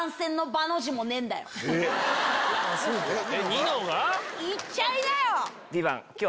ニノが？